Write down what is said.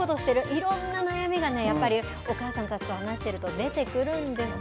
いろんな悩みがね、やっぱりお母さんたちと話してると出てくるんですよ。